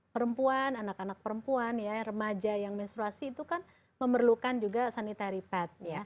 perempuan anak anak perempuan ya remaja yang menstruasi itu kan memerlukan juga sanitary pad